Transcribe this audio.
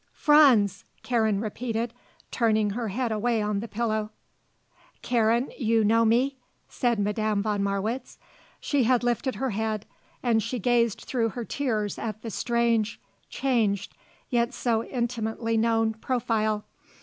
"Franz!" Karen repeated, turning her head away on the pillow. "Karen, you know me?" said Madame von Marwitz. She had lifted her head and she gazed through her tears at the strange, changed, yet so intimately known, profile.